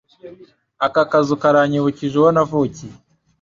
Aka kazu karanyibukije uwo navukiye.